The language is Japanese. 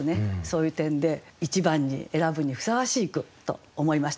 そういう点で一番に選ぶにふさわしい句と思いました。